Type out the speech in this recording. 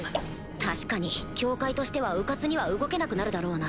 確かに教会としては迂闊には動けなくなるだろうな。